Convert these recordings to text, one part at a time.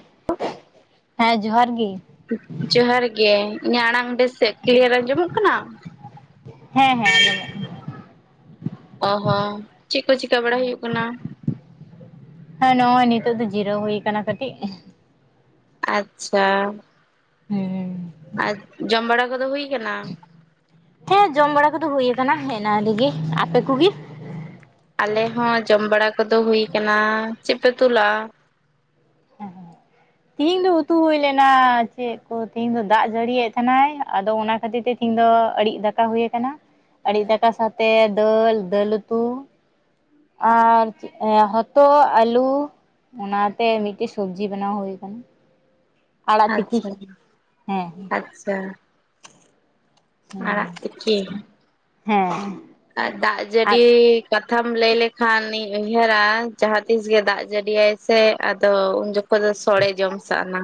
[unintelligible] ᱦᱮᱸ ᱡᱚᱦᱟᱨ ᱜᱤᱼᱼ ᱡᱚᱦᱟᱨ ᱜᱮ ᱤᱧᱟᱹᱜ ᱟᱲᱟᱝ ᱵᱮᱥ ᱛᱮ ᱠᱞᱤᱭᱟᱨ ᱟᱸᱡᱚᱢᱚᱜ ᱠᱟᱱᱟ᱾ ᱦᱮᱸ ᱦᱮᱸ ᱟᱸᱡᱚᱢᱚᱜ ᱠᱟᱱᱟ ᱚ ᱦᱚᱸ ᱪᱮᱫ ᱠᱚ ᱪᱤᱠᱟᱹ ᱵᱟᱲᱟ ᱦᱩᱭᱩᱜ ᱠᱟᱱᱟ? ᱦᱮᱸ ᱱᱚᱜᱼᱚᱭ ᱱᱤᱛᱚᱜ ᱫᱚ ᱡᱤᱨᱟᱹᱣ ᱦᱩᱭ ᱠᱟᱱᱟ ᱠᱟᱹᱴᱤᱡ ᱟᱪᱪᱷᱟ᱾ ᱦᱮᱸ ᱟᱨ ᱡᱚᱢ ᱵᱟᱲᱟ ᱠᱚᱫᱚ ᱦᱩᱭ ᱠᱟᱱᱟ? ᱦᱮᱸ ᱡᱚᱢ ᱵᱟᱲᱟ ᱠᱚᱫᱚ ᱦᱩᱭ ᱠᱟᱱᱟ ᱮᱱᱟᱱ ᱨᱤᱜᱤ ᱟᱯᱮ ᱠᱚᱜᱮ? ᱟᱞᱮ ᱦᱚᱸ ᱡᱚᱢ ᱵᱟᱲᱟ ᱠᱚᱫᱚ ᱦᱩᱭ ᱠᱟᱱᱟ ᱪᱮᱫᱯᱮ ᱩᱛᱩᱞᱮᱫᱼᱟ? ᱛᱤᱦᱤᱧ ᱫᱚ ᱩᱛᱩ ᱦᱩᱭ ᱞᱮᱱᱟ ᱪᱮᱫ ᱠᱚ ᱛᱤᱦᱤᱧ ᱫᱚ ᱫᱟᱜ ᱡᱟᱹᱲᱤᱭᱮᱫ ᱛᱟᱦᱮᱱᱟᱭ ᱟᱫᱚ ᱚᱱᱟ ᱠᱷᱟᱹᱛᱤᱨ ᱛᱮᱼᱼ ᱛᱤᱦᱤᱧ ᱫᱚ ᱟᱲᱤᱡ ᱫᱟᱠᱟ ᱦᱩᱭ ᱟᱠᱟᱱᱟ ᱟᱲᱤᱡ ᱫᱟᱠᱟ ᱥᱟᱶᱛᱮ ᱫᱟᱹᱞ ᱫᱟᱹᱞ ᱩᱛᱩᱼᱼ ᱟᱨ ᱦᱚᱛᱚᱫ ᱟᱞᱩ ᱚᱱᱟᱛᱮ ᱢᱤᱫᱴᱮᱡ ᱥᱚᱵᱡᱤ ᱵᱮᱱᱟᱣ ᱦᱩᱭ ᱟᱠᱟᱱᱟ᱾ ᱟᱲᱟᱜ ᱛᱤᱠᱤ ᱟᱪᱪᱷᱟ ᱦᱮᱸ ᱟᱪᱪᱷᱟ ᱦᱮᱸ ᱟᱲᱟᱜ ᱛᱤᱠᱤ ᱦᱮᱸ ᱟᱨ ᱫᱟᱜ ᱟᱨ ᱡᱟᱹᱲᱤᱼᱼ ᱠᱟᱛᱷᱟᱢ ᱞᱟᱹᱭ ᱞᱮᱠᱷᱟᱱᱤᱧ ᱩᱭᱦᱟᱹᱨᱟ ᱡᱟᱦᱟᱸ ᱛᱤᱥ ᱜᱮ ᱫᱟᱜ ᱡᱟᱹᱲᱤᱭᱟᱭ ᱥᱮ ᱟᱫᱚ ᱩᱱ ᱡᱚᱠᱷᱚᱱᱼᱼ ᱚᱠᱚᱭ ᱫᱚ ᱥᱚᱲᱮ ᱡᱚᱢ ᱥᱟᱱᱟᱼᱼ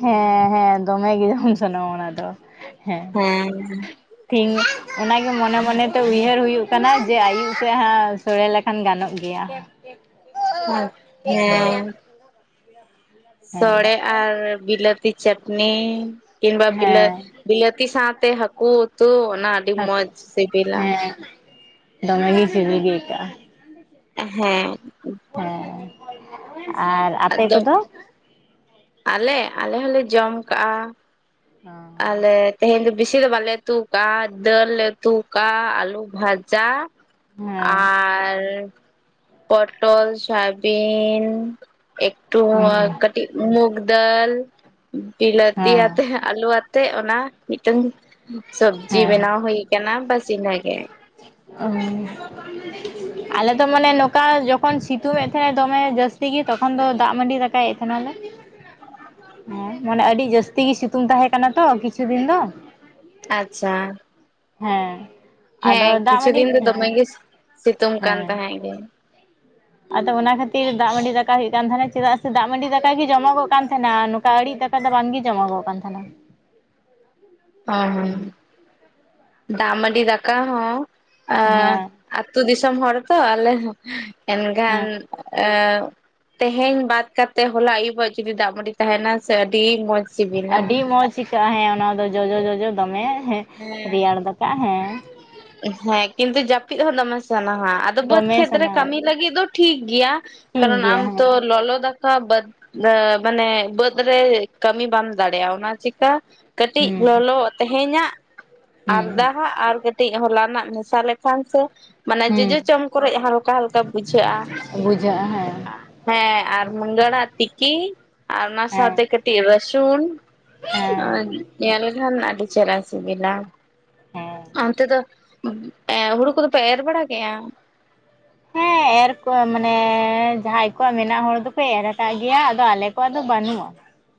ᱦᱮᱸ ᱦᱮᱸ ᱫᱚᱢᱮ ᱜᱮ ᱡᱚᱢ ᱥᱟᱱᱟ ᱚᱱᱟ ᱫᱚ ᱦᱮᱸᱼᱼ ᱦᱮᱸᱻ ᱛᱷᱤᱝ ᱚᱱᱟᱜᱮ ᱢᱚᱱᱮ ᱢᱚᱱᱮ ᱛᱮ ᱩᱭᱦᱟᱹᱨ ᱦᱩᱭᱩᱜ ᱠᱟᱱᱟ ᱡᱮ ᱟᱭᱩᱵ ᱥᱮᱮᱫ ᱦᱟᱜᱼᱼ ᱥᱳᱲᱮ ᱞᱮᱠᱷᱟᱱ ᱜᱟᱱᱚᱜ ᱜᱮᱭᱟ᱾ ᱦᱳᱭ ᱦᱮᱸ ᱦᱮᱸ ᱥᱚᱲᱮ ᱟᱨ ᱵᱤᱞᱟᱹᱛᱤ ᱪᱟᱴᱱᱤ ᱠᱤᱢᱵᱟ ᱵᱤᱞᱟᱹ ᱦᱮᱸ ᱵᱤᱞᱟᱹᱛᱤ ᱥᱟᱶᱛᱮ ᱦᱟᱹᱠᱩ ᱩᱛᱩ ᱚᱱᱟ ᱟᱹᱰᱤ ᱦᱟᱹᱠᱩ ᱢᱚᱸᱡᱽ ᱥᱤᱵᱤᱞᱼᱟ ᱦᱮᱸ ᱫᱚᱢᱮ ᱥᱤᱵᱤᱞ ᱜᱮ ᱟᱹᱭᱠᱟᱹᱜᱼᱟ᱾ ᱦᱮᱸ ᱦᱮᱸ ᱟᱨ ᱟᱯᱮ ᱟᱫᱚ ᱠᱚᱫᱚ ᱟᱞᱮ ᱟᱞᱮ ᱦᱚᱸᱞᱮ ᱡᱚᱢ ᱠᱟᱜᱼᱟ ᱦᱮᱸ ᱟᱞᱮ ᱛᱮᱦᱮᱧ ᱫᱚ ᱵᱮᱥᱤ ᱫᱚ ᱵᱟᱞᱮ ᱩᱛᱩ ᱠᱟᱜ-ᱟ ᱫᱟᱹᱞ ᱞᱮ ᱩᱛᱩ ᱠᱟᱜ-ᱟ ᱟᱞᱩ ᱵᱷᱟᱡᱟ ᱦᱮᱸ ᱟᱨ ᱯᱚᱴᱚᱞ, ᱥᱚᱣᱟᱵᱤᱝ, ᱮᱠᱴᱩ ᱦᱮᱸ ᱠᱟᱹᱴᱤᱡ ᱢᱩᱜ ᱫᱟᱞ, ᱵᱤᱞᱟᱹᱛᱤ, ᱟᱛᱮ ᱟᱞᱩᱣᱟᱜ, ᱛᱮᱜ ᱚᱱᱟ ᱢᱤᱫᱴᱟᱝ ᱥᱚᱵᱡᱤ ᱦᱮᱸ ᱵᱮᱱᱟᱣ ᱦᱩᱭ ᱟᱠᱟᱱᱟ ᱵᱟᱥ ᱤᱱᱟᱹᱜᱮ᱾ ᱚᱻᱻ ᱟᱞᱮ ᱫᱚ ᱢᱟᱱᱮ ᱱᱚᱝᱠᱟ ᱡᱚᱠᱷᱚᱱ ᱥᱤᱛᱩᱝ ᱮᱫ ᱛᱟᱦᱮᱸᱫ ᱫᱚᱢᱮ ᱡᱟᱹᱥᱛᱤ ᱜᱮ ᱛᱚᱠᱷᱚᱱ ᱫᱚ ᱫᱟᱜ ᱢᱟᱹᱰᱤ ᱫᱟᱠᱟ ᱪᱤᱠᱟᱭᱮᱫ ᱛᱟᱦᱮᱱᱟᱞᱮ? ᱦᱮᱸ ᱢᱟᱱᱮ ᱟᱹᱰᱤ ᱡᱟᱹᱥᱛᱤ ᱜᱮ ᱥᱤᱛᱩᱝ ᱛᱟᱦᱮᱸ ᱠᱟᱱᱟ ᱛᱚ ᱠᱤᱪᱷᱩ ᱫᱤᱱ ᱫᱚ᱾ ᱟᱪᱪᱷᱟ ᱦᱮᱸ ᱟᱫᱚ ᱦᱮᱸ ᱫᱟᱜ ᱠᱤᱪᱷᱩ ᱢᱟᱹᱰᱤ ᱫᱤᱱ ᱫᱚ ᱦᱮᱸ ᱫᱚᱢᱮ ᱜᱮ ᱥᱤᱛᱩᱝ ᱠᱟᱱ ᱦᱮᱸ ᱛᱟᱦᱮᱸᱜ ᱜᱮ᱾ ᱟᱫᱚ ᱚᱱᱟ ᱠᱷᱟᱹᱛᱤᱨ ᱫᱟᱜ ᱢᱟᱹᱰᱤ ᱫᱟᱠᱟ ᱦᱩᱭᱩᱜ ᱠᱟᱱ ᱛᱟᱦᱮᱱᱟ ᱪᱮᱫᱟᱜ ᱥᱮ ᱫᱟᱜ ᱢᱟᱹᱰᱤ ᱫᱟᱠᱟ ᱜᱮ ᱡᱚᱢᱚᱜᱚᱜ ᱠᱟᱱ ᱛᱟᱦᱮᱱᱟ ᱟᱲᱤᱡ ᱫᱟᱠᱟ ᱫᱚ ᱵᱟᱝᱜᱮ ᱡᱚᱢᱚ ᱜᱚᱜ ᱠᱟᱱ ᱛᱟᱦᱮᱱᱟ᱾ ᱦᱚᱸ ᱦᱚᱸ ᱫᱟᱜ ᱢᱟᱹᱰᱤ ᱫᱟᱠᱟ ᱦᱚᱸ ᱟ ᱦᱮᱸ ᱟᱹᱛᱩ ᱫᱤᱥᱚᱢ ᱦᱚᱲ ᱛᱚ ᱟᱞᱮ ᱦᱚᱸ ᱮᱱᱠᱷᱟᱱ ᱦᱮᱸ ᱛᱮᱦᱮᱧ ᱵᱟᱫ ᱠᱟᱛᱮᱜ ᱦᱚᱞᱟ ᱟᱹᱭᱩᱵᱼᱟᱜ ᱡᱩᱫᱤ ᱫᱟᱜ ᱢᱟᱹᱰᱤ ᱛᱟᱦᱮᱱᱟ ᱥᱮ ᱟᱹᱰᱤ ᱢᱚᱡᱽ ᱟᱹᱰᱤ ᱢᱚᱸᱡᱽ ᱟᱹᱭᱠᱟᱹᱜᱼᱟ ᱦᱮᱸ ᱚᱱᱟ ᱫᱚ ᱡᱚᱡᱚ ᱡᱚᱡᱚ ᱫᱚᱢᱮ ᱦᱮᱸ ᱨᱮᱭᱟᱲ ᱫᱟᱠᱟᱜ ᱦᱮᱸ ᱦᱮᱸ ᱠᱤᱱᱛᱩ ᱡᱟᱹᱯᱤᱜ ᱦᱚᱸ ᱫᱚᱢᱮ ᱥᱟᱱᱟ ᱦᱟᱸᱜ ᱟᱫᱚ ᱵᱟᱹᱫᱽ ᱫᱚᱢᱮ ᱠᱷᱮᱛ ᱨᱮ ᱥᱟᱱᱟᱣᱟ ᱠᱟᱹᱢᱤ ᱞᱟᱹᱜᱤᱜ ᱫᱚ ᱴᱷᱤᱠ ᱜᱮᱭᱟ ᱴᱷᱤᱠ ᱠᱟᱨᱚᱱ ᱜᱮᱭᱟ ᱟᱢ ᱛᱚ ᱦᱮᱸ ᱞᱚᱞᱚ ᱫᱟᱠᱟ ᱵᱟᱹᱫᱽ ᱛᱟᱹ ᱢᱟᱱᱮ ᱵᱟᱹᱫᱽ ᱨᱮ ᱠᱟᱹᱢᱤ ᱵᱟᱢ ᱫᱟᱲᱮᱭᱟᱜᱼᱟ ᱚᱱᱟ ᱪᱤᱠᱟ ᱠᱟᱹᱴᱤᱡ ᱦᱩᱸ ᱞᱚᱞᱚ ᱛᱮᱦᱮᱧᱟᱜ ᱟᱨ ᱦᱩᱸ ᱫᱟᱜ ᱟᱨ ᱠᱟᱹᱴᱤᱡ ᱠᱟᱹᱴᱤᱡ ᱦᱚᱞᱟ ᱱᱟᱜ ᱢᱮᱥᱟ ᱞᱮᱠᱷᱟᱱ ᱥᱮ ᱢᱟᱱᱮ ᱡᱚᱡᱚ ᱦᱩᱸ ᱪᱚᱢ ᱠᱚᱨᱮᱜ ᱦᱟᱞᱠᱟ ᱦᱟᱞᱠᱟ ᱵᱩᱡᱷᱟᱹᱜᱼᱟ ᱦᱮᱸ ᱟᱨ ᱢᱩᱱᱜᱟᱹ ᱟᱲᱟᱜ ᱛᱤᱠᱤ ᱟᱨ ᱚᱱᱟ ᱦᱮᱸ ᱥᱟᱶᱛᱮ ᱠᱟᱹᱴᱤᱡ ᱨᱟᱹᱥᱩᱱ ᱦᱮᱸ ᱧᱮᱞ ᱞᱮᱠᱷᱟᱱ ᱟᱹᱰᱤ ᱪᱮᱦᱨᱟ ᱥᱤᱵᱤᱞᱟ ᱦᱮᱸ ᱚᱱᱛᱮ ᱫᱚ ᱮᱸ ᱦᱩᱲᱩ ᱠᱚᱫᱚ ᱯᱮ ᱮᱨ ᱵᱟᱲᱟ ᱠᱮᱜᱼᱟ᱾ ᱦᱮᱸ ᱮᱨ ᱠᱚᱭᱟ ᱢᱟᱱᱮ ᱡᱟᱦᱟᱸᱭ ᱠᱚᱣᱟᱜ ᱢᱮᱱᱟᱜ ᱦᱚᱲ ᱫᱚᱠᱚ ᱮᱨ ᱟᱠᱟᱜ ᱜᱮᱭᱟ ᱟᱫᱚ ᱟᱞᱮ ᱠᱚᱣᱟᱜ ᱫᱚ ᱵᱟᱹᱱᱩᱜᱼᱟ᱾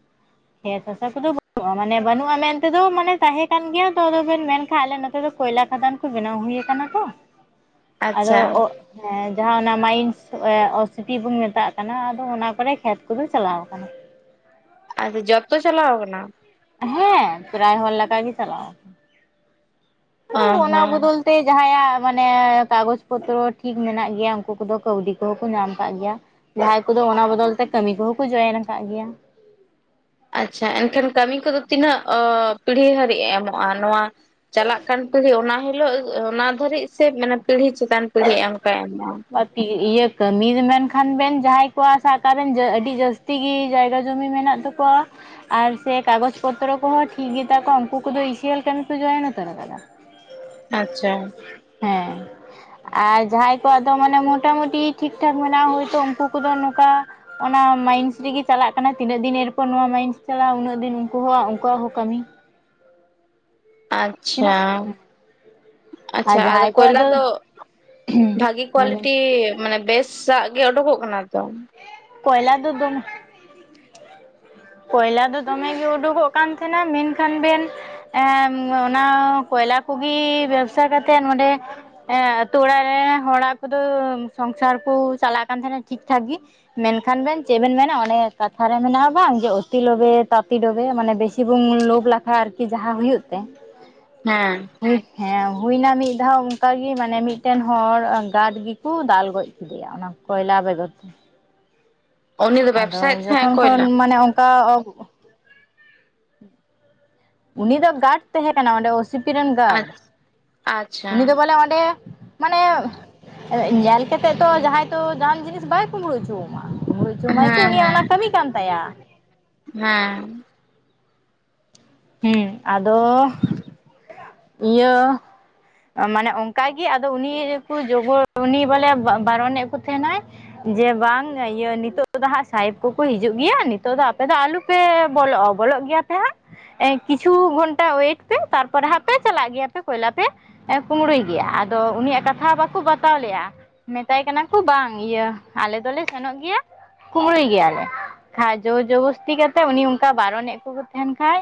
[inaudible] ᱠᱷᱮᱛᱽ ᱦᱟᱥᱟ ᱠᱚᱫᱚ ᱵᱟᱹᱱᱩᱜᱼᱟ ᱢᱟᱱᱮ ᱵᱟᱹᱱᱩᱜᱼᱟ ᱢᱮᱱᱛᱮᱫᱚ ᱢᱟᱱᱮ ᱛᱟᱦᱮᱸ ᱠᱟᱱ ᱜᱮᱭᱟ ᱛᱚ ᱟᱫᱚᱵᱮᱱ ᱢᱮᱱᱠᱷᱟᱱ ᱟᱞᱮ ᱱᱚᱛᱮ ᱫᱚ ᱠᱚᱭᱞᱟ ᱠᱷᱟᱫᱟᱱ ᱠᱚ ᱵᱮᱱᱟᱣ ᱦᱩᱭ ᱠᱟᱱᱟ ᱛᱚ ᱟᱫᱚ ᱟᱪᱪᱷᱟ ᱦᱮᱸ ᱡᱟᱦᱟᱸ ᱚᱱᱟ ᱢᱟᱭᱤᱱᱥ ᱚ ᱚᱥᱤᱴᱤ ᱵᱚᱱ ᱢᱮᱛᱟᱜ ᱠᱟᱱᱟ ᱟᱫᱚ ᱚᱱᱟ ᱠᱚᱨᱮ ᱠᱷᱮᱛ ᱠᱚ ᱫᱚ ᱪᱟᱞᱟᱣ ᱠᱟᱱᱟ᱾ ᱟᱫᱚ ᱡᱷᱚᱛᱚ ᱪᱟᱞᱟᱣ ᱠᱟᱱᱟ᱾ ᱦᱮᱸ ᱯᱮᱨᱟᱭ ᱦᱚᱲ ᱞᱮᱠᱟ ᱜᱮ ᱪᱟᱞᱟᱣ ᱠᱟᱱᱟ ᱾ ᱚ ᱟᱫᱚ ᱚᱱᱟ ᱦᱚᱸ ᱵᱚᱫᱚᱞᱼᱼ ᱛᱮ ᱡᱟᱦᱟᱸᱭᱟᱜ ᱢᱟᱱᱮ ᱠᱟᱜᱚᱡᱽ ᱯᱚᱛᱨᱚ ᱴᱷᱤᱠ ᱢᱮᱱᱟᱜ ᱜᱮᱭᱟ ᱩᱝᱠᱩ ᱠᱚᱫᱚ ᱠᱟᱹᱣᱰᱤ ᱠᱚᱦᱚᱸ ᱠᱚ ᱧᱟᱢ ᱠᱟᱜ ᱜᱮᱭᱟ᱾ ᱡᱟᱦᱟᱸᱭ ᱠᱚᱫᱚ ᱚᱱᱟ ᱵᱚᱫᱚᱞ ᱛᱮ ᱠᱟᱹᱢᱤ ᱠᱚᱦᱚᱸ ᱠᱚ ᱡᱚᱭᱮᱱ ᱟᱠᱟᱜ ᱜᱮᱭᱟ᱾ ᱟᱪᱪᱷᱟ ᱮᱱᱠᱷᱟᱱ ᱠᱟᱹᱢᱤ ᱠᱚᱫᱚ ᱛᱤᱱᱟᱹᱜ ᱯᱤᱲᱦᱤ ᱦᱟᱹᱨᱤᱡ ᱮ ᱮᱢᱚᱜᱼᱟ ᱱᱚᱣᱟ᱾ ᱪᱟᱞᱟᱜ ᱠᱟᱱ ᱯᱤᱲᱦᱤ ᱚᱱᱟ ᱦᱤᱞᱳᱜ ᱚᱱᱟ᱾ ᱫᱷᱟᱹᱨᱤᱡ ᱥᱮ ᱢᱟᱱᱮ ᱯᱤᱲᱦᱤ ᱪᱮᱛᱟᱱ ᱯᱤᱲᱦᱤ ᱚᱱᱠᱟᱭ ᱮᱢᱚᱜᱼᱟᱭ ᱵᱟᱠᱤ ᱤᱭᱟᱹ ᱠᱟᱹᱢᱤ ᱢᱮᱱᱠᱷᱟᱱ ᱵᱮᱱ ᱡᱟᱦᱟᱸᱭ ᱠᱚᱣᱟᱜ ᱥᱟᱜ ᱠᱟᱜ ᱠᱮᱱ ᱡᱟᱹ ᱟᱹᱰᱤ ᱡᱟᱹᱥᱛᱤ ᱜᱤ ᱡᱟᱭᱜᱟ ᱡᱚᱢᱤ ᱢᱮᱱᱟᱜ ᱛᱟᱠᱚᱼᱼ ᱠᱚᱭᱟ ᱟᱨ ᱥᱮ ᱠᱟᱜᱚᱡ ᱯᱚᱛᱨᱚ ᱠᱚᱦᱚᱸ ᱴᱷᱤᱠ ᱜᱮᱛᱟ ᱠᱚᱣᱟ ᱩᱝᱠᱩ ᱠᱚᱫᱚ ᱮᱥᱤᱭᱟᱞ ᱠᱟᱹᱢᱤ ᱠᱚ ᱡᱚᱭᱮᱱ ᱩᱛᱚᱨ ᱟᱠᱟᱫᱟ᱾ ᱟᱪᱪᱷᱟ ᱦᱮᱸ ᱟᱨ ᱡᱟᱦᱟᱸᱭ ᱠᱚᱣᱟᱜᱫᱚ ᱢᱟᱱᱮ ᱢᱚᱴᱟᱢᱩᱴᱤ ᱴᱷᱤᱠᱴᱷᱟᱠ ᱢᱮᱱᱟᱜᱼᱟ ᱦᱳᱭᱛᱳ ᱩᱝᱠᱩ ᱠᱚᱫᱚ ᱱᱚᱠᱟ᱾ ᱚᱱᱟ ᱢᱟᱭᱤᱱᱥ ᱨᱤᱜᱤ ᱪᱟᱞᱟᱜ ᱠᱟᱱᱟ ᱛᱤᱱᱟᱹᱜ ᱫᱤᱱ ᱮᱨᱯᱚᱨ ᱱᱚᱶᱟ ᱢᱟᱭᱤᱱᱥ ᱪᱟᱞᱟᱜᱼᱟ ᱩᱱᱟᱹᱜ ᱫᱤᱱ ᱩᱝᱠᱩ ᱦᱚᱸ ᱩᱝᱠᱩᱣᱟᱜ ᱦᱚᱸ ᱠᱟᱹᱢᱤᱼᱼ ᱟᱪᱪᱷᱟ ᱛᱤᱱᱟᱹᱜ ᱟᱨ ᱟᱪᱪᱷᱟ ᱟᱫᱚ ᱡᱟᱦᱟᱸᱭ ᱠᱚᱣᱟᱜ ᱠᱚᱭᱞᱟ ᱫᱚ ᱵᱷᱟᱜᱤ ᱦᱮᱸ ᱠᱳᱣᱟᱞᱤᱴᱤ ᱢᱟᱱᱮ ᱵᱮᱥᱼᱼ ᱥᱟᱜ ᱜᱮ ᱚᱰᱳᱠᱚᱜ ᱠᱟᱱᱟ ᱛᱚᱼᱼ ᱠᱚᱭᱞᱟ ᱫᱚ ᱫᱚᱢᱮᱼᱼ ᱠᱚᱭᱞᱟ ᱫᱚ ᱫᱚᱢᱮ ᱜᱮ ᱩᱰᱩᱠᱚᱜ ᱠᱟᱱ ᱛᱟᱦᱮᱱᱟ ᱢᱮᱱ ᱠᱷᱟᱱ ᱵᱮᱱ ᱮ ᱚᱱᱟ ᱠᱚᱭᱞᱟ ᱠᱚᱜᱤ ᱵᱮᱵᱥᱟ ᱠᱟᱛᱮᱜ ᱱᱚᱸᱰᱮ ᱦᱮᱸ ᱟᱛᱳ ᱚᱲᱟᱜ ᱨᱮ ᱦᱚᱲᱟᱜ ᱠᱚᱫᱚ ᱥᱚᱝᱥᱟᱨ ᱠᱚ ᱪᱟᱞᱟᱜ ᱠᱟᱱ ᱛᱟᱦᱮᱸᱱᱟ ᱴᱷᱤᱠ ᱴᱷᱟᱠ ᱜᱮᱼᱼ ᱢᱮᱱ ᱠᱷᱟᱱ ᱵᱮᱱ ᱪᱮᱜ ᱵᱮᱱ ᱢᱮᱱᱟ ᱚᱱᱮ ᱠᱟᱛᱷᱟ ᱨᱮ ᱢᱮᱱᱟᱜᱼᱟ ᱵᱟᱝ ᱳᱛᱤ ᱞᱚᱵᱮ ᱛᱟᱛᱤ ᱰᱚᱵᱮ ᱢᱟᱱᱮ ᱵᱮᱥᱤ ᱵᱩᱝ ᱞᱳᱵᱷ ᱞᱟᱠᱷᱟ ᱟᱨᱠᱤ ᱡᱟᱦᱟᱸ ᱦᱩᱭᱩᱜ ᱛᱮᱼᱼ ᱦᱮᱸ ᱦᱮᱸ ᱦᱩᱭ ᱮᱱᱟ ᱢᱤᱫ ᱫᱷᱟᱣ ᱚᱱᱠᱟ ᱜᱤ ᱢᱟᱱᱮ ᱢᱤᱫ ᱴᱮᱱ ᱦᱚᱲ ᱜᱟᱰ ᱜᱮᱠᱚ ᱫᱟᱞ ᱜᱚᱡ ᱠᱚᱭᱞᱟᱟᱵᱮ ᱠᱚ ᱩᱱᱤ ᱫᱚ ᱟᱫᱚ ᱵᱮᱵᱥᱟᱭᱮᱫ ᱛᱟᱦᱮᱸᱜ ᱡᱚᱠᱷᱚᱱ ᱠᱷᱚᱱ ᱠᱚᱭᱞᱟ ᱢᱟᱱᱮ ᱚᱱᱠᱟ ᱚᱜᱼᱼ ᱩᱱᱤ ᱫᱚ ᱜᱟᱨᱰ ᱛᱟᱦᱮᱸ ᱠᱟᱱᱟ ᱚᱸᱰᱮ ᱚᱥᱤᱯᱤ ᱨᱮᱱ ᱜᱟᱨᱰ ᱟᱪᱪᱷᱟ ᱩᱱᱤ ᱫᱚ ᱵᱚᱞᱮ ᱚᱸᱰᱮᱼᱼ ᱢᱟᱱᱮ ᱧᱮᱞ ᱠᱟᱛᱮ ᱛᱚ ᱡᱟᱦᱟᱸᱭ ᱛᱚ ᱡᱟᱦᱟᱱ ᱡᱤᱱᱤᱥ ᱵᱟᱭ ᱠᱩᱵᱽᱲᱩ ᱩᱪᱩᱣᱟᱢᱟ ᱩᱲᱩ ᱦᱚᱪᱚ ᱢᱟᱭ ᱪᱚ ᱦᱮᱸ ᱩᱱᱤᱭᱟᱜ ᱚᱱᱟ ᱠᱟᱹᱢᱤ ᱠᱟᱱ ᱛᱟᱭᱟ᱾ ᱦᱮᱸᱻ ᱦᱩᱸ ᱟᱫᱚ ᱤᱭᱟᱹ ᱢᱟᱱᱮ ᱚᱱᱠᱟ ᱜᱮ ᱟᱫᱚ ᱩᱱᱤᱠᱩ ᱡᱚᱵᱚ ᱩᱱᱤ ᱵᱚᱞᱮ ᱵ ᱵᱟᱨᱚᱱᱮᱫ ᱠᱩ ᱛᱟᱦᱮᱱᱟᱭ᱾ ᱡᱮ ᱵᱟᱝ ᱤᱭᱟᱹ ᱱᱤᱛᱚᱜ ᱫᱚ ᱦᱟᱸᱜ ᱥᱟᱦᱮᱵᱽ ᱠᱩᱠᱩ ᱦᱤᱡᱩᱜ ᱜᱮᱭᱟ ᱱᱤᱛᱚᱜ ᱫᱚ ᱟᱯᱮ ᱫᱚ ᱟᱞᱩ ᱯᱮ ᱵᱚᱞᱚᱜᱼᱟ ᱵᱚᱞᱚᱜ ᱜᱮᱭᱟ ᱯᱮ ᱦᱟᱸᱜ ᱠᱤᱪᱷᱩ ᱜᱷᱚᱱᱴᱟ ᱚᱭᱤᱮᱴ ᱯᱮ ᱛᱟᱨᱯᱚᱨ ᱦᱟᱸᱜᱼᱼ ᱯᱮ ᱪᱟᱞᱟᱜ ᱜᱮᱭᱟ ᱛᱮ ᱠᱚᱭᱞᱟ ᱛᱮ ᱠᱩᱢᱵᱽᱲᱩᱭ ᱜᱮᱭᱟ ᱟᱫᱚ ᱩᱱᱤᱭᱟᱜ ᱠᱟᱛᱷᱟ ᱵᱟᱠᱩ ᱵᱟᱛᱟᱣ ᱞᱮᱫᱼᱟ᱾ ᱢᱮᱛᱟᱭ ᱠᱟᱱᱟ ᱠᱩ ᱵᱟᱝ ᱤᱭᱟᱹ ᱟᱞᱮ ᱫᱚᱞᱮ ᱥᱮᱱᱚᱜ ᱜᱮᱭᱟ᱾ ᱠᱩᱢᱲᱩᱭ ᱜᱮᱭᱟᱞᱮ ᱠᱷᱟᱡ ᱡᱳᱨ ᱡᱚᱵᱚᱥᱛᱤ ᱠᱟᱛᱮ ᱩᱱᱤ ᱚᱱᱠᱟ ᱵᱟᱨᱚᱱᱮᱫ ᱠᱚ ᱛᱟᱦᱮᱱ ᱠᱷᱟᱡ᱾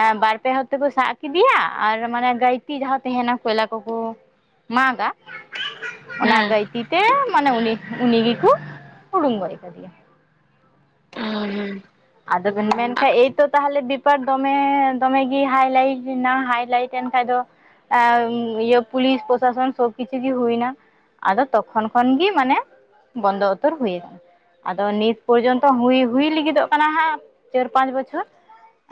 ᱟ ᱵᱟᱨ ᱯᱮ ᱦᱚᱲᱛᱮᱠᱚ ᱥᱟᱵ ᱠᱮᱫᱤᱭᱟ᱾ ᱟᱨ ᱢᱟᱱᱮ ᱜᱟᱹᱭᱛᱤ ᱡᱟᱦᱟᱸ ᱛᱟᱦᱮᱱᱟ ᱠᱚᱭᱞᱟ ᱠᱩᱠᱩ ᱢᱟᱜᱼᱟ᱾ ᱚᱱᱟ ᱦᱮᱸ ᱜᱟᱹᱭᱛᱤ ᱛᱮ ᱢᱟᱱᱮ ᱩᱱᱤ ᱩᱱᱤ ᱜᱮᱠᱩ ᱦᱩᱲᱩᱝ ᱜᱚᱡ ᱠᱟᱫᱮᱭᱟ᱾ [unintelligible] ᱟᱫᱚ ᱵᱮᱤᱱ ᱢᱮᱱᱠᱷᱟᱡ ᱮᱭᱛᱚ ᱛᱟᱦᱚᱞᱮ ᱵᱮᱯᱟᱨ ᱫᱚᱢᱮ ᱫᱚᱢᱮ ᱜᱮ ᱦᱟᱭᱞᱟᱭᱤᱴ ᱮᱱᱟ ᱦᱟᱭᱞᱟᱭᱤᱴ ᱮᱱ ᱠᱷᱟᱡ ᱫᱚ ᱟᱮ ᱤᱭᱟᱹ ᱯᱩᱞᱤᱥ ᱯᱨᱚᱥᱟᱥᱚᱱ ᱥᱚᱵ ᱠᱤᱪᱷᱩ ᱜᱮ ᱦᱩᱭᱮᱱᱟ᱾ ᱟᱫᱚ ᱛᱚᱠᱷᱚᱱ ᱠᱷᱚᱱ ᱜᱮ ᱢᱟᱱᱮ ᱵᱚᱱᱫᱚ ᱩᱛᱟᱹᱨ ᱦᱩᱭᱱᱟ᱾ ᱟᱫᱚ ᱱᱤᱛ ᱯᱚᱨᱡᱚᱱᱛᱚ ᱦᱩᱭ ᱞᱟᱹᱜᱤ ᱫᱚᱜ ᱠᱟᱱᱟ ᱦᱟᱸᱜ ᱪᱟᱹᱨ ᱯᱟᱸᱪ ᱵᱚᱪᱷᱚᱨᱼᱼ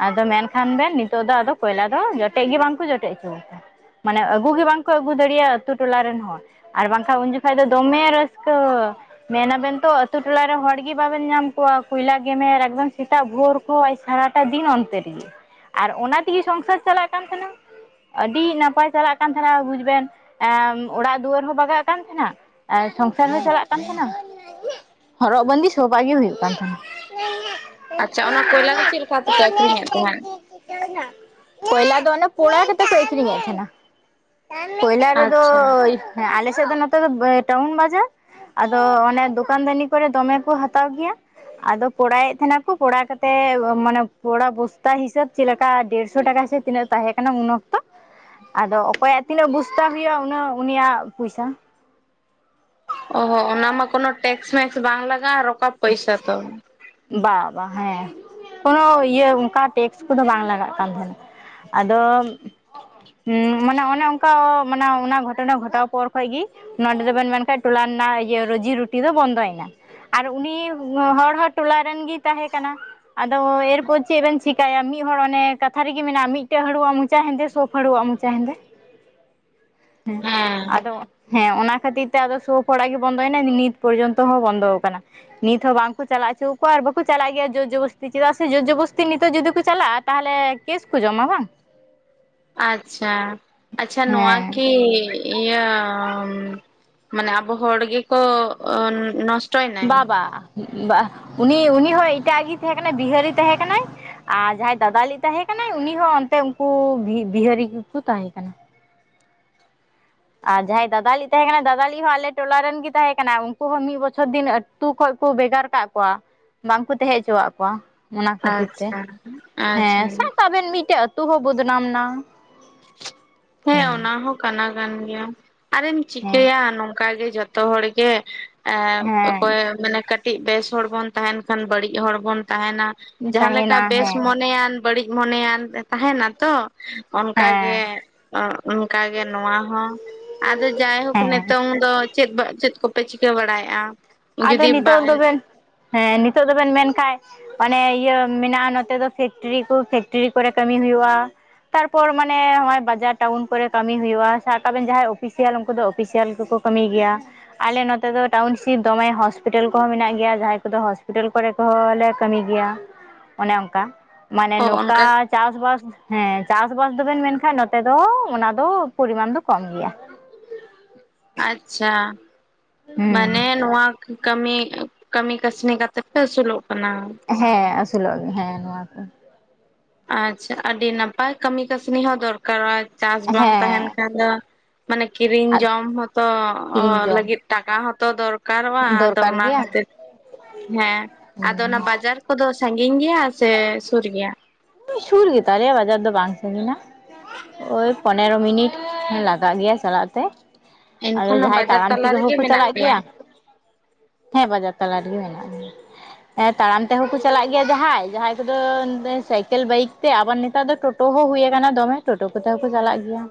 ᱟᱫᱚ ᱢᱮᱱ ᱠᱷᱟᱱ ᱵᱮᱱ ᱱᱤᱛᱚᱜ ᱫᱚ ᱠᱚᱭᱞᱟ ᱫᱚ ᱡᱚᱴᱮᱫ ᱜᱮ ᱵᱟᱝ ᱠᱚ ᱡᱚᱴᱮᱫ ᱦᱚᱪᱚ ᱩᱪᱩᱣ ᱠᱚᱣᱟ ᱾ ᱢᱟᱱᱮ ᱟᱹᱜᱩ ᱦᱚᱸ ᱵᱟᱝ ᱠᱚ ᱟᱹᱜᱩ ᱫᱟᱲᱮᱭᱟᱜᱼᱟ ᱟᱛᱩ ᱴᱚᱞᱟ ᱨᱮᱱ ᱦᱚᱲ ᱾ ᱟᱨ ᱵᱟᱝ ᱠᱷᱟᱱ ᱫᱚ ᱩᱱ ᱡᱚᱠᱷᱟ ᱫᱚ ᱫᱚᱢᱮ ᱨᱟᱹᱥᱠᱟᱹ ᱾ ᱢᱮᱱᱟᱵᱮᱱ ᱛᱚ ᱟᱹᱛᱩ ᱴᱚᱞᱟᱨᱮᱱ ᱦᱚᱲ ᱜᱤ ᱵᱟᱵᱮᱱ ᱧᱟᱢ ᱠᱚᱣᱟ ᱠᱚᱭᱞᱟ ᱜᱮᱢᱮᱨᱼᱼ ᱮᱱᱟ ᱥᱮᱛᱟᱜ ᱵᱷᱩᱨ ᱠᱚ ᱥᱟᱨᱟᱴᱟᱭ ᱫᱤᱱ ᱚᱱᱛᱮ ᱨᱮᱜᱤᱼᱼ ᱟᱨ ᱚᱱᱟ ᱛᱮᱜᱤ ᱥᱚᱝᱥᱟᱨ ᱪᱟᱞᱟᱜ ᱠᱟᱱ ᱛᱟᱦᱮᱱᱟ ᱾ ᱟᱹᱰᱤ ᱱᱟᱯᱟᱭ ᱪᱟᱞᱟᱜ ᱠᱟᱱ ᱛᱟᱦᱮᱱᱟ ᱵᱩᱡᱽ ᱵᱮᱱ ᱮᱸ ᱚᱲᱟᱜ ᱫᱩᱣᱟᱹᱨ ᱦᱚᱸ ᱵᱟᱜᱟ ᱠᱟᱱ ᱛᱟᱦᱮᱱᱟ ᱾ ᱟᱨ ᱥᱚᱝᱥᱟᱨ ᱦᱚ ᱪᱟᱞᱟᱜ ᱠᱟᱱ ᱛᱟᱦᱮᱱᱟ, ᱦᱚᱨᱚᱜ ᱵᱟᱸᱫᱮ ᱥᱚᱵᱟᱜ ᱜᱮ ᱦᱩᱭᱩᱜ ᱠᱟᱱ ᱛᱟᱦᱮᱱᱟ ᱾ ᱟᱪᱪᱷᱟ ᱚᱱᱟ ᱠᱚᱭᱞᱟ ᱫᱚ ᱪᱮᱫ ᱞᱮᱠᱟ ᱛᱮᱯᱮ ᱟᱠᱷᱨᱤᱧᱮᱫ ᱛᱟᱦᱮᱸᱫ [unintelligible] ᱠᱚᱳᱞᱟ ᱫᱚ ᱟᱱᱮ ᱯᱳᱲᱚ ᱠᱟᱛᱮ ᱠᱚ ᱟᱹᱠᱷᱚᱨᱤᱧ ᱮᱫ ᱛᱟᱦᱮᱱᱟ ᱾ ᱠᱚᱭᱞᱟ ᱨᱮᱫᱚ ᱟᱪᱪᱷᱟ ᱟᱞᱮ ᱥᱮᱫ ᱫᱚ ᱱᱚᱛᱮ ᱫᱚ ᱴᱟᱣᱩᱱ ᱵᱟᱡᱟᱨᱼᱼ ᱟᱫᱚ ᱚᱱᱮ ᱫᱚᱠᱟᱱ ᱫᱟᱱᱤ ᱠᱚᱨᱮ ᱫᱚᱢᱮ ᱠᱚ ᱦᱟᱛᱟᱣ ᱜᱮᱭᱟ ᱟᱫᱚ ᱠᱚᱲᱟ ᱭᱮᱫ ᱛᱟᱦᱮᱱᱟ ᱾ ᱠᱩ ᱠᱚᱲᱟᱣ ᱠᱟᱛᱮ ᱢᱟᱱᱮ ᱠᱩᱲᱟ ᱵᱚᱥᱛᱟ ᱦᱤᱥᱟᱹᱵ ᱪᱮᱫ ᱞᱮᱠᱟ ᱫᱮᱲᱥᱚ ᱴᱟᱠᱟ ᱥᱮ ᱛᱤᱱᱟᱹᱜ ᱛᱟᱦᱮᱸ ᱠᱟᱱᱟ ᱩᱱᱟᱹᱠᱼᱼ ᱛᱚ ᱟᱫᱚ ᱚᱠᱚᱭᱟᱜ ᱛᱤᱱᱟᱹᱜ ᱵᱚᱥᱛᱟ ᱦᱩᱭᱩᱜᱼᱟ ᱩᱱᱟᱹᱜ ᱩᱱᱤᱭᱟᱜ ᱯᱩᱭᱥᱟ ᱾ ᱚᱻᱦᱚᱸ ᱚᱱᱟ ᱢᱟ ᱠᱳᱱᱚ ᱴᱮᱠᱥ ᱢᱮᱠᱥ ᱵᱟᱝ ᱞᱟᱜᱟᱜᱼᱟ ᱨᱚᱠᱟ ᱯᱩᱭᱥᱟ ᱛᱮ ᱾ ᱵᱟᱝ ᱵᱟᱝ ᱦᱮᱸ ᱠᱳᱱᱳ ᱤᱭᱟᱹ ᱚᱱᱠᱟ ᱴᱮᱠᱥ ᱠᱚᱫᱚ ᱵᱟᱝ ᱞᱟᱜᱟᱜ ᱠᱟᱱ ᱛᱟᱦᱮ ᱾ ᱟᱫᱚᱼᱼ ᱩᱸ ᱢᱟᱱᱮ ᱚᱱᱮ ᱚᱱᱠᱟ ᱢᱟᱱᱮ ᱚᱱᱟ ᱜᱷᱚᱴᱚᱱᱟ ᱜᱷᱚᱴᱟᱣ ᱯᱚᱨ ᱠᱷᱚᱡ ᱜᱤᱼᱼ ᱱᱚᱸᱰᱮ ᱫᱚᱵᱮᱱ ᱢᱮᱱᱠᱟᱡ ᱴᱚᱞᱟ ᱨᱮᱱᱟᱜ ᱤᱭᱟᱹ ᱨᱩᱡᱤ ᱨᱩᱴᱤ ᱫᱚ ᱵᱚᱱᱫᱚ ᱭᱮᱱᱟ ᱾ ᱩᱱᱤ ᱦᱚᱲ ᱦᱚᱸ ᱴᱚᱞᱟᱨᱮᱱ ᱜᱤᱭ ᱛᱟᱦᱮᱸ ᱠᱟᱱᱟ᱾ ᱟᱫᱚ ᱮᱨᱯᱚᱨ ᱪᱮᱫ ᱵᱮᱱ ᱪᱮᱠᱟᱭᱟ ᱢᱤᱫ ᱦᱚᱲ ᱚᱱᱮ ᱠᱟᱛᱷᱟ ᱨᱮᱜᱮ ᱢᱮᱱᱟᱜᱼᱟ ᱢᱤᱫᱴᱮᱡ ᱦᱟᱹᱲᱩᱣᱟᱜ ᱢᱚᱪᱟ ᱦᱮᱱᱫᱮ ᱥᱚᱠᱼᱼ ᱦᱟᱹᱲᱩᱣᱟᱜ ᱢᱚᱪᱟ ᱦᱮᱱᱫᱮ ᱦᱮᱸ ᱟᱫᱚᱼᱼ ᱦᱮᱸ ᱚᱱᱟ ᱠᱷᱟᱛᱤᱨ ᱛᱮ ᱟᱫᱚ ᱥᱳᱵ ᱦᱚᱲᱟᱜ ᱜᱮ ᱵᱚᱱᱫᱚᱭᱮᱱᱟ ᱱᱤᱛ ᱯᱚᱨᱡᱚᱱᱛᱚ ᱦᱚᱸ ᱵᱚᱱᱫᱚ ᱟᱠᱟᱱᱟ ᱾ ᱱᱤᱛ ᱦᱚᱸ ᱵᱟᱝᱠᱩ ᱪᱟᱞᱟᱣ ᱚᱪᱚ ᱟᱠᱚᱣᱟ ᱟᱨ ᱵᱟᱠᱚ ᱪᱟᱞᱟᱜ ᱜᱮᱭᱟ ᱡᱳᱨ ᱡᱚᱵᱚᱥᱛᱤ ᱪᱮᱫᱟᱜ ᱥᱮ ᱡᱳᱨ ᱡᱚᱵᱚᱥᱛᱤ ᱱᱤᱛᱚᱜ ᱡᱩᱫᱤ ᱠᱩ ᱪᱟᱞᱟᱜᱼᱟᱼᱼ ᱛᱟᱦᱚᱞᱮ ᱠᱮᱥ ᱠᱩ ᱡᱚᱢᱟ ᱵᱟᱝ ᱾ ᱟᱪᱪᱷᱟ, ᱟᱪᱪᱷᱟ ᱱᱚᱣᱟ ᱠᱤᱼᱼ ᱤᱭᱟᱹ ᱢᱟᱱᱮ ᱟᱵᱚ ᱦᱚᱲ ᱜᱮᱠᱚ ᱱᱚᱼᱼ ᱵᱟ ᱵᱟ ᱩᱱᱤ ᱩᱱᱤ ᱦᱚᱸ ᱮᱴᱟᱜ ᱜᱮ ᱛᱟᱦᱮᱸ ᱠᱟᱱᱟᱭ ᱵᱤᱦᱟᱹᱨᱤ ᱛᱟᱦᱮᱸ ᱠᱟᱱᱟᱭ ᱾ ᱟᱨ ᱡᱟᱦᱟᱸᱭ ᱫᱟᱫᱟᱞᱤᱡ ᱛᱟᱦᱮᱸ ᱠᱟᱱᱟᱭ ᱩᱱᱤ ᱦᱚᱸ ᱚᱱᱛᱮ ᱩᱱᱠᱩ ᱵᱤᱦᱟᱹᱨᱤ ᱜᱮᱠᱚ ᱛᱟᱦᱮᱸ ᱠᱟᱱᱟ᱾ ᱟᱨ ᱡᱟᱦᱟᱸᱭ ᱫᱟᱫᱟᱞᱤᱡ ᱛᱟᱦᱮᱸ ᱠᱟᱱᱟ ᱫᱟᱫᱟᱞᱤ ᱦᱚᱸ ᱟᱞᱮ ᱴᱚᱞᱟ ᱨᱮᱱ ᱜᱮ ᱛᱟᱦᱮᱸ ᱠᱟᱱᱟ ᱩᱱᱝᱠᱩ ᱦᱚᱸ ᱢᱤᱫ ᱵᱚᱪᱷᱚᱨ ᱫᱤᱱᱼᱼ ᱟᱛᱩ ᱠᱷᱚᱱ ᱠᱚ ᱵᱷᱮᱜᱟᱨ ᱠᱟᱜ ᱠᱚᱣᱟ ᱵᱟᱝᱠᱩ ᱛᱟᱦᱮᱸ ᱦᱚᱪᱚᱣᱟᱜ ᱠᱚᱣᱟ ᱾ ᱚᱱᱟ ᱠᱷᱟᱹᱛᱤᱨ ᱛᱮ, ᱟᱪᱪᱷᱟ ᱟᱪᱪᱷᱟ ᱦᱮᱸ ᱥᱟᱵ ᱠᱟᱜ ᱵᱮᱱ ᱢᱤᱫᱴᱮᱡ ᱟᱹᱛᱩ ᱦᱚᱸ ᱵᱚᱫᱱᱟᱢ ᱮᱱᱟ ᱾ ᱦᱮᱸ ᱚᱱᱟ ᱦᱚᱸ ᱠᱟᱱᱟ ᱠᱟᱱ ᱜᱮᱭᱟ, ᱟᱨᱮᱢ ᱪᱤᱠᱟᱹᱭᱟ ᱱᱚᱝᱠᱟ ᱜᱮ ᱡᱚᱛᱚᱼᱼ ᱡᱚᱛᱚ ᱦᱚᱲ ᱜᱮ ᱦᱮᱸ ᱚᱠᱚᱭ ᱢᱮᱱᱟᱠᱟᱼᱼ ᱠᱟᱹᱴᱤᱡ ᱵᱮᱥ ᱦᱚᱲ ᱵᱚᱱ ᱛᱟᱦᱮᱱ ᱠᱷᱟᱱ ᱵᱟᱹᱲᱤᱡ ᱦᱚᱲ ᱵᱚᱱ ᱛᱟᱦᱮᱱᱟ ᱦᱮᱸ ᱡᱟᱦᱟᱸ ᱞᱮᱠᱟ ᱛᱟᱦᱮᱱᱟ ᱵᱮᱥ ᱦᱮᱸ ᱢᱚᱱᱮᱭᱟᱱᱼᱼ ᱵᱟᱹᱲᱤᱡ ᱢᱚᱱᱮᱭᱟ ᱛᱟᱦᱮᱱᱟ ᱛᱚ ᱚᱱᱠᱟ ᱜᱮ ᱦᱮᱸ ᱾ ᱚ ᱚᱱᱠᱟ ᱜᱮ ᱱᱚᱣᱟ ᱦᱚᱸ ᱟᱫᱚ ᱡᱟᱭᱦᱳᱠ ᱦᱮᱸ ᱱᱤᱛᱚᱝ ᱫᱚᱼᱼ ᱪᱮᱫ ᱪᱮᱫ ᱠᱚᱯᱮ ᱪᱤᱠᱟᱹ ᱵᱟᱲᱟᱭᱮᱫᱼᱟ? ᱟᱫᱚ ᱡᱩᱫᱤ ᱱᱤᱛᱚᱜ ᱵᱟᱝ ᱫᱚᱵᱮᱱ ᱦᱮᱸ ᱱᱤᱛᱚᱜ ᱫᱚᱵᱮᱱ ᱢᱮᱱ ᱠᱷᱟᱱᱡᱼᱼ ᱚᱱᱮ ᱤᱭᱟᱹ ᱢᱮᱱᱟᱜᱼᱟ ᱱᱚᱛᱮ ᱫᱚ ᱯᱷᱮᱠᱴᱨᱤ ᱠᱚ ᱯᱷᱮᱠᱴᱨᱤ ᱠᱚᱨᱮ ᱠᱟᱹᱢᱤ ᱦᱩᱭᱩᱜᱼᱟ ᱾ ᱛᱟᱨᱯᱚᱨ ᱢᱟᱱᱮ ᱱᱚᱜᱼᱚᱭ ᱵᱟᱡᱟᱨ ᱴᱟᱣᱩᱱ ᱠᱚᱨᱮ ᱠᱟᱹᱢᱤ ᱦᱩᱭᱩᱜᱼᱟ, ᱥᱟᱵ ᱠᱟᱜ ᱵᱮᱱ ᱡᱟᱦᱟᱸᱭ ᱚᱯᱷᱤᱥᱤᱭᱟᱞ ᱩᱱᱠᱩ ᱫᱚ ᱚᱯᱷᱤᱥᱤᱭᱟᱞ ᱜᱮᱠᱚᱼᱼ ᱠᱟᱹᱢᱤ ᱜᱮᱭᱟ ᱟᱞᱮ ᱱᱚᱛᱮ ᱫᱚ ᱴᱟᱣᱩᱱᱥᱤᱯᱼᱼ ᱫᱚᱢᱮ ᱦᱚᱥᱯᱤᱴᱟᱞ ᱠᱚᱦᱚᱸ ᱢᱮᱱᱟᱜ ᱜᱮᱭᱟ ᱡᱟᱦᱟᱸᱭ ᱠᱚᱫᱚ ᱦᱚᱥᱯᱤᱴᱟᱞ ᱠᱚᱨᱮ ᱠᱚᱦᱚᱸ ᱞᱮ ᱠᱟᱹᱢᱤ ᱜᱮᱭᱟ ᱾ ᱚᱱᱮ ᱚᱱᱠᱟ ᱢᱟᱱᱮ ᱚ ᱚᱱᱠᱟ ᱱᱚᱴᱟᱪᱼᱼ ᱪᱟᱥ ᱵᱟᱥ ᱦᱮᱸ, ᱪᱟᱥ ᱵᱟᱥ ᱫᱚᱵᱮᱱ ᱢᱮᱱ ᱠᱷᱟᱱ ᱱᱚᱛᱮ ᱫᱚ ᱚᱱᱟ ᱫᱚ, ᱯᱚᱨᱤᱢᱟᱱ ᱫᱚ ᱠᱚᱢ ᱜᱮᱭᱟ᱾ ᱟᱪᱪᱷᱟ ᱢᱟᱱᱮ ᱦᱩᱸ ᱱᱚᱶᱟ ᱠᱟᱹᱢᱤ ᱠᱟᱹᱢᱤ ᱠᱟᱹᱥᱱᱤ ᱠᱟᱛᱮᱜ ᱯᱮ, ᱟᱹᱥᱩᱞᱚᱜ ᱠᱟᱱᱟ? ᱦᱮᱸ ᱟᱥᱩᱞᱚᱜ ᱜᱮ, ᱦᱮᱸ ᱱᱚᱶᱟ ᱠᱚ ᱟᱪᱪᱷᱟ ᱟᱹᱰᱤ ᱱᱟᱯᱟᱭ, ᱠᱟᱹᱢᱤ ᱠᱟᱹᱥᱱᱤ ᱦᱚᱸ ᱫᱚᱨᱠᱟᱨᱚᱜᱼᱟ, ᱪᱟᱥ ᱵᱟᱝ ᱛᱟᱦᱮᱱ ᱦᱮᱸ ᱠᱷᱟᱱ ᱫᱚ ᱢᱟᱱᱮ ᱠᱤᱨᱤᱧ ᱟᱨ ᱡᱚᱢ ᱦᱚᱛᱚ, ᱠᱤᱨᱤᱧ ᱡᱚᱝ ᱞᱟᱹᱜᱤᱫ ᱴᱟᱠᱟ ᱦᱚᱸ ᱛᱚ ᱫᱚᱨᱠᱟᱨᱚᱜᱼᱟ, ᱟᱫᱟ ᱫᱚᱨᱠᱟᱨ ᱚᱱᱟ ᱜᱮᱭᱟ ᱠᱷᱟᱹᱛᱤᱨ ᱦᱮᱸ ᱟᱫᱚ ᱦᱩᱸ ᱚᱱᱟ ᱵᱟᱡᱟᱨ ᱠᱚᱫᱚ, ᱥᱹᱜᱤᱧ ᱜᱮᱭᱟ ᱥᱮ ᱥᱳᱨ ᱜᱮᱭᱟ? ᱥᱩᱨ ᱜᱮᱛᱟᱨᱭᱟ ᱵᱟᱡᱟᱨ ᱫᱚ ᱵᱟᱝ ᱥᱟᱹᱜᱤᱱᱟ᱾ ᱳᱭ ᱯᱚᱱᱮᱨᱚ ᱢᱤᱱᱤᱴ ᱞᱟᱜᱟᱜ ᱜᱮᱭᱟ ᱪᱟᱞᱟᱜ ᱛᱮ᱾ ᱟᱫᱚ ᱮᱱᱠᱷᱟᱱ ᱡᱟᱦᱟᱸᱭ ᱵᱟᱡᱟᱨ ᱛᱟᱲᱟᱢ ᱛᱟᱞᱟ ᱛᱮᱜᱮ, ᱦᱚᱲ ᱨᱮᱜᱮ ᱠᱚ ᱢᱮᱱᱟᱜ ᱪᱟᱞᱟᱜ ᱯᱮᱭᱟ ᱜᱮᱭᱟ? ᱦᱮᱸ ᱵᱟᱡᱟᱨ ᱛᱟᱞᱟ ᱨᱮᱜᱮ ᱢᱮᱱᱟᱜ ᱞᱮᱭᱟ᱾ ᱦᱮᱸ ᱛᱟᱲᱟᱢ ᱛᱮᱦᱚᱸᱠᱚ ᱪᱟᱞᱟᱜ ᱜᱮᱭᱟ, ᱡᱟᱦᱟᱸᱭ ᱡᱟᱦᱟᱸᱭ ᱠᱚᱫᱚ ᱥᱟᱭᱠᱮᱞ ᱠᱮᱞ ᱵᱟᱭᱤᱠ ᱛᱮ, ᱟᱵᱟᱨ ᱱᱮᱛᱟᱨ ᱫᱚ ᱴᱳᱴᱳ ᱦᱚᱸ ᱦᱳᱭ ᱠᱟᱱᱟ ᱫᱚᱢᱮ, ᱴᱳᱴᱳ ᱠᱚᱛᱮ ᱦᱚᱸᱠᱚ ᱪᱟᱞᱟᱜ ᱜᱮᱭᱟ᱾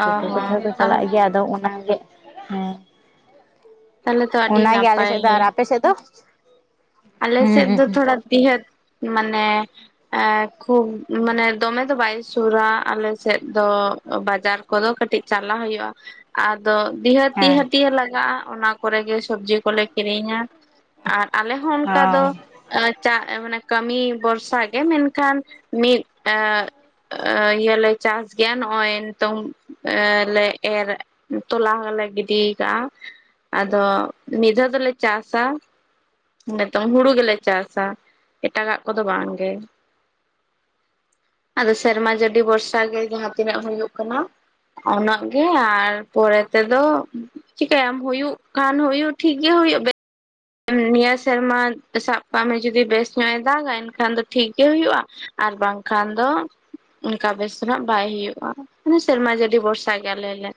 ᱚ ᱴᱳᱴᱳ ᱠᱚᱛᱮ ᱦᱚᱸ ᱦᱚᱸᱠᱚ ᱪᱟᱞᱟᱜ ᱜᱮᱭᱟ, ᱟᱫᱚ ᱚᱱᱟᱜᱮ ᱦᱮᱸ ᱛᱟᱦᱚᱞᱮ ᱛᱚ ᱟᱹᱰᱤ ᱚᱱᱟᱜᱮ ᱟᱞᱮ ᱱᱟᱯᱟᱭ ᱥᱮᱫ ᱫᱚ, ᱟᱨ ᱟᱯᱮ ᱥᱮᱫ ᱫᱚ? ᱦᱩᱸ ᱟᱞᱮᱥᱮᱫ ᱫᱚ ᱦᱩᱸ ᱛᱷᱚᱲᱟ ᱵᱤᱦᱟᱹᱛ, ᱢᱟᱱᱮ ᱮᱸ ᱠᱷᱩᱵ ᱢᱟᱱᱮ ᱫᱚᱢᱮ ᱫᱚ ᱵᱟᱭ ᱥᱩᱨᱟ, ᱟᱞᱮᱥᱮᱫ ᱫᱚ ᱵᱟᱡᱟᱨ ᱠᱚᱫᱚ, ᱠᱟᱹᱴᱤᱡ ᱪᱟᱞᱟ ᱦᱳᱭᱳᱜᱼᱟ᱾ ᱟᱨ ᱫᱚ ᱵᱤᱦᱟᱹᱛᱤᱦᱟᱹ ᱦᱮᱸ ᱦᱟᱹᱴᱭᱟᱹ ᱞᱟᱜᱟᱜᱼᱟ, ᱚᱱᱟ ᱠᱚᱨᱮ ᱜᱮ ᱥᱚᱵᱡᱤ ᱠᱚᱞᱮ ᱠᱤᱨᱤᱧᱟ, ᱟᱨ ᱟᱞᱮ ᱦᱚᱸ ᱚᱱᱠᱟ ᱫᱚ ᱚ ᱪᱟ, ᱢᱟᱱᱮ ᱠᱟᱹᱢᱤ ᱵᱷᱚᱨᱥᱟ ᱜᱮ, ᱢᱮᱱᱠᱷᱟᱱ ᱢᱤᱫ ᱮᱸ ᱮᱸ ᱤᱭᱟᱹᱞᱮ ᱪᱟᱥ ᱜᱮᱭᱟ, ᱱᱚᱜᱼᱚᱭ ᱱᱤᱛᱚᱝ ᱮ ᱞᱮ ᱮᱨ ᱛᱚᱞᱟ ᱦᱚᱸᱞᱮ ᱜᱤᱰᱤ ᱠᱟᱜᱼᱟ᱾ ᱟᱫᱚ ᱢᱤᱫ ᱫᱷᱟᱣ ᱫᱚᱞᱮ ᱪᱟᱥᱟ᱾ ᱱᱤᱛᱚᱝ ᱦᱩᱲᱩ ᱜᱮᱞᱮ ᱪᱟᱥᱟ, ᱮᱴᱟᱜᱟᱜ ᱠᱚᱫᱚ ᱵᱟᱝ ᱜᱮ᱾ ᱟᱫᱚ ᱥᱮᱨᱢᱟ ᱡᱟᱹᱰᱤ ᱵᱷᱚᱨᱥᱟ ᱜᱮ, ᱡᱟᱦᱟᱸᱛᱤᱱᱟᱹᱜ ᱦᱳᱭᱩᱜ ᱠᱟᱱᱟ᱾ ᱩᱱᱟᱹᱜ ᱜᱮ, ᱟᱨ ᱯᱚᱨᱮ ᱛᱮᱫᱚ ᱪᱤᱠᱟᱭᱟᱢ ᱦᱳᱭᱩᱜ ᱠᱷᱟᱱ, ᱦᱳᱭᱩᱜ ᱴᱷᱤᱠᱜᱮ ᱦᱳᱭᱩᱜ ᱵᱮ ᱱᱤᱭᱟᱹ ᱥᱮᱨᱢᱟ ᱥᱟᱵ ᱠᱟᱜ ᱢᱮ ᱡᱩᱫᱤ ᱵᱮᱥ ᱧᱚᱜ ᱮ ᱫᱟᱜᱟ, ᱮᱱᱠᱷᱟᱱ ᱫᱚ ᱴᱷᱤᱠ ᱜᱮ ᱦᱳᱭᱳᱜᱼᱟ᱾ ᱟᱨ ᱵᱟᱝᱠᱷᱟᱱ ᱫᱚ ᱚᱱᱠᱟ ᱵᱮᱥ ᱱᱟᱜ ᱵᱟᱭ ᱦᱳᱭᱳᱜᱼᱟ, ᱢᱟᱱᱮ ᱥᱮᱨᱢᱟ ᱡ ᱟᱹᱰᱤ ᱵᱷᱚᱨᱥᱟ ᱜᱮ ᱟᱞᱮ ᱞᱮ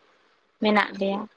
ᱢᱮᱱᱟᱜ ᱞᱮᱭᱟ᱾